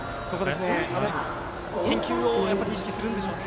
返球を意識するんでしょうね。